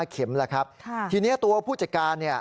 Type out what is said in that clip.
เข็มแล้วครับทีนี้ตัวผู้จัดการเนี่ย